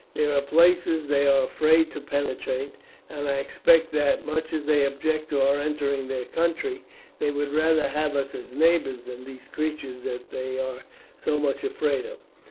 "There are places they are afraid to penetrate, and I expect that, much as they object to our entering their country, they would rather have us as neighbours than these creatures that they are so much afraid of."